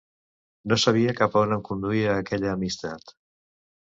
No sabia cap a on em conduïa aquella amistat.